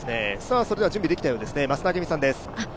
準備できたようです、増田明美さんです。